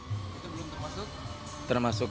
itu belum termasuk